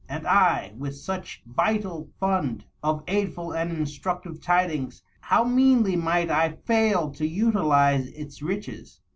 And I, with such vital fund of aidful and instructive tidings, how meanly might I feil to utilize its riches